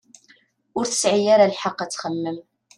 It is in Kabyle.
Ur tesɛi ara lḥeq ad txemmem.